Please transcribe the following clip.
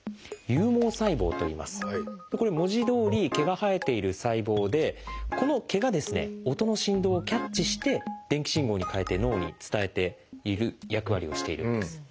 これ文字どおり毛が生えている細胞でこの毛が音の振動をキャッチして電気信号に変えて脳に伝えている役割をしているんです。